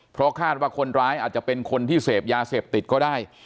เพราะคาดว่าคนร้ายอาจจะเป็นคนที่เสพยาเสพติดก็ได้